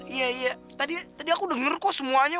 iya iya tadi aku denger kok semuanya